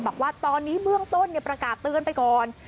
บอกว่าตอนนี้เบื้องต้นประกาศเตือนไปก่อน